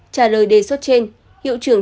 trả lời đề xuất trên hiệu trưởng